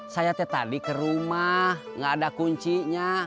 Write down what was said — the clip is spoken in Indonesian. saya tadi ke rumah gak ada kuncinya